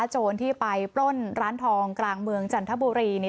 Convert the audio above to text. โจรที่ไปปล้นร้านทองกลางเมืองจันทบุรี